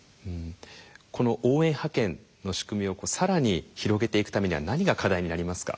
この応援派遣の仕組みを更に広げていくためには何が課題になりますか？